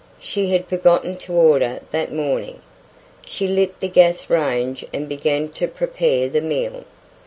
She had forgotten to order that morning. She lit the gas range and began to prepare the meal.